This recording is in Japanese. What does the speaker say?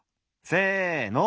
せの！